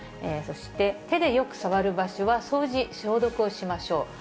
そして、手でよく触る場所は、掃除・消毒をしましょう。